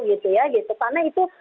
gitu ya karena itu